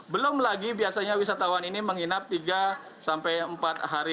belum lagi biasanya wisatawan ini menginap tiga sampai empat hari